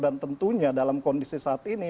dan tentunya dalam kondisi saat ini